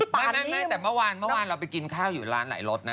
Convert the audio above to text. ไม่แต่เมื่อวานเราไปกินข้าวอยู่ร้านไหล่รถนะ